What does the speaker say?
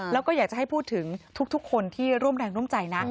แล้วก็อยากจะให้พูดถึงทุกคนที่ร่วมแรงร่วมใจนะ